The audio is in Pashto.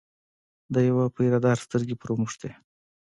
د یوه پیره دار سترګې پر وموښتې.